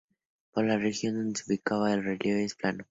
Por la región donde se ubica, el relieve es plano.